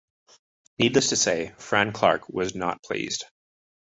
Needless, to say, Fran Clark was not pleased.